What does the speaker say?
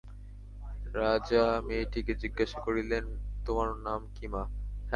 রাজা মেয়েটিকে জিজ্ঞাসা করিলেন, তোমার নাম কী মা?